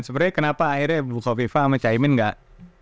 dan sebenarnya kenapa akhirnya bukal viva sama cahayimin gak